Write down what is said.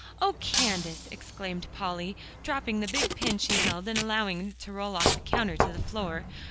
"Oh, Candace!" exclaimed Polly, dropping the big pin she held, and allowing it to roll off the counter to the floor.